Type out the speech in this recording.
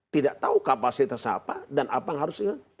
tidak tahu kapasitasnya apa dan apa yang harus diingat